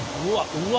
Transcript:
うわ！